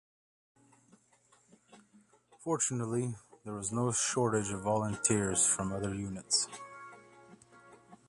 Fortunately there was no shortage of volunteers from other units.